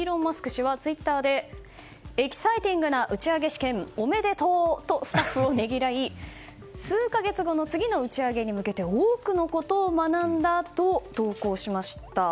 氏はツイッターでエキサイティングな打ち上げ試験おめでとうとスタッフをねぎらい数か月後の次の打ち上げに向けて多くのことを学んだと投稿しました。